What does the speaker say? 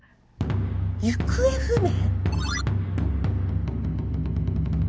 行方不明？